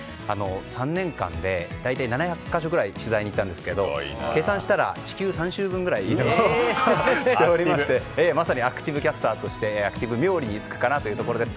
３年間で大体７００か所くらい取材にいったんですけど計算したら地球３周分しておりましてまさにアクティブキャスターとしてアクティブ冥利につくかなというところです。